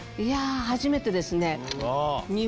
初めてですね。